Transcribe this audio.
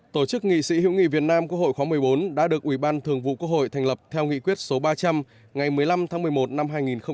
tổ chức nghị sĩ hữu nghị việt nam quốc hội khóa một mươi bốn đã được ủy ban thường vụ quốc hội thành lập theo nghị quyết số ba trăm linh ngày một mươi năm tháng một mươi một năm hai nghìn một mươi bảy